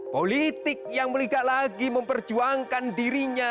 politik yang tidak lagi memperjuangkan dirinya